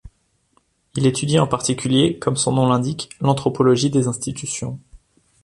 Il étudie en particulier, comme son nom l'indique, l'anthropologie des institutions.